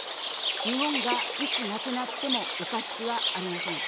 日本がいつなくなってもおかしくはありません。